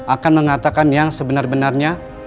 akan mengatakan yang sebenar benarnya